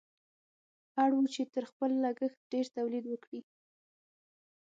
اړ وو چې تر خپل لګښت ډېر تولید وکړي.